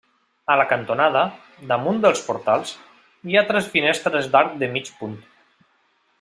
A la cantonada, damunt dels portals, hi ha tres finestres d'arc de mig punt.